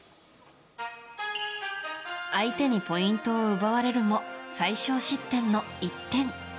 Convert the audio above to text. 相手にポイントを奪われるも最少失点の１点。